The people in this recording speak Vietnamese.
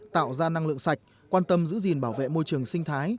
tạo ra năng lượng sạch quan tâm giữ gìn bảo vệ môi trường sinh thái